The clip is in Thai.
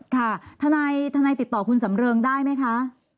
ค่ะทนายติดต่อคุณสำเริงได้ไหมคะ